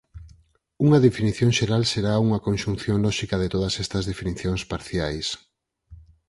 Unha definición xeral será unha conxunción lóxica de todas estas definicións parciais.